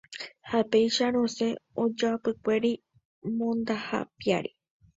Ha péicha rosẽ ojoapykuéri mondaha piári.